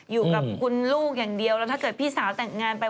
อยู่กับคุณลูกอย่างเดียวแล้วถ้าเกิดพี่สาวแต่งงานไป